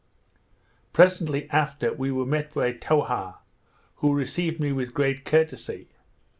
Presently after we were met by Towha, who received me with great courtesy.